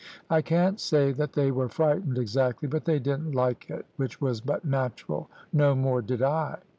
I can't say that they were frightened exactly, but they didn't like it, which was but natural; no more did I.